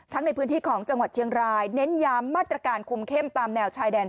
ในพื้นที่ของจังหวัดเชียงรายเน้นย้ำมาตรการคุมเข้มตามแนวชายแดน